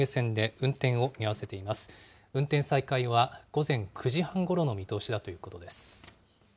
運転再開は午前９時半ごろの見通しだということです。